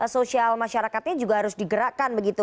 sosial masyarakatnya juga harus digerakkan begitu